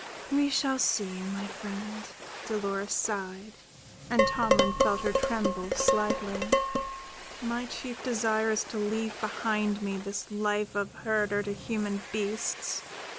"We shall see, my friend," Dolores sighed, and Tomlin felt her tremble slightly. "My chief desire is to leave behind me this life of herder to human beasts.